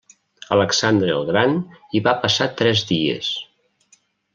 Alexandre el Gran hi va passar tres dies.